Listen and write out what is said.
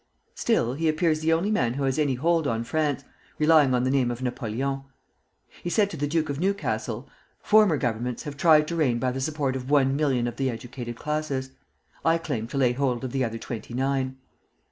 Still, he appears the only man who has any hold on France, relying on the name of Napoleon. He said to the Duke of Newcastle: 'Former Governments have tried to reign by the support of one million of the educated classes; I claim to lay hold of the other twenty nine.'